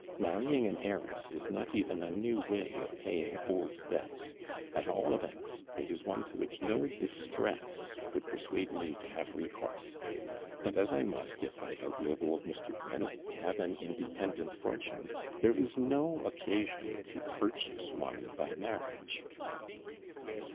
Marrying an heiress is not even a new way of paying old debts at all events, it is one to which no distress could persuade me to have recourse; and as I must, if I outlive old Mr. Quin, have an independent fortune, THERE IS NO occasion to purchase one by marriage.'